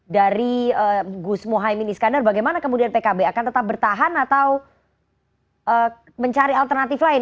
dari gus mohaimin iskandar bagaimana kemudian pkb akan tetap bertahan atau mencari alternatif lain